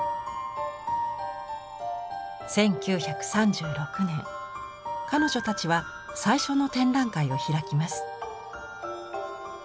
１９３６年彼女たちは最初の展覧会を開きます。